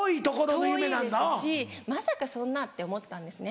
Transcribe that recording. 遠いですしまさかそんなって思ったんですね。